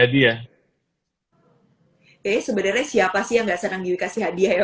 hadiah kalau saya sih senang dikasih hadiah ya oke sebenarnya siapa sih yang gak senang dikasih hadiah ya